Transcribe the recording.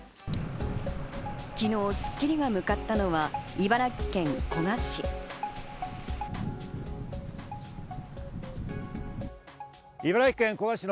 昨日『スッキリ』が向かったのは茨城県古河市。